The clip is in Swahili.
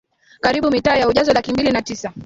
karibu mita za ujazo laki mbili na tisa